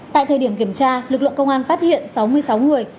tại thời điểm kiểm tra lực lượng công an phát hiện sáu mươi sáu người